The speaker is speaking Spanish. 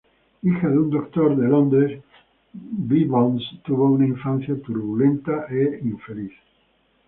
Hija de un doctor de Londres, Gibbons tuvo una infancia turbulenta e infeliz.